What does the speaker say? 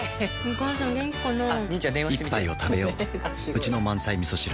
一杯をたべよううちの満菜みそ汁